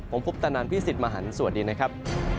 ผมพุทธนันต์พี่สิทธิ์มหันต์สวัสดีนะครับ